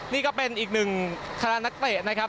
นี่ก็เป็นอีกหนึ่งคณะนักเตะนะครับ